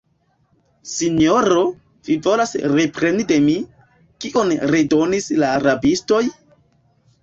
sinjoro, vi volas repreni de mi, kion redonis la rabistoj?